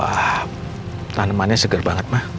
wah tanemannya segar banget ma